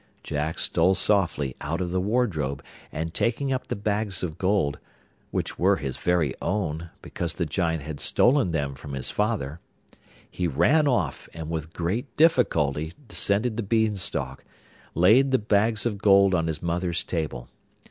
Jack stole softly out of the wardrobe, and taking up the bags of money (which were his very own, because the Giant had stolen them from his father), he ran off, and with great difficulty descending the Beanstalk, laid the bags of gold on his mother's table.